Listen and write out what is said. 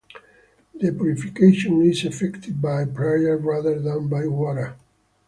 The purification is effected by prayer rather than by water.